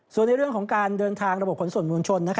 ส่วนในเรื่องของการเดินทางระบบขนส่งมวลชน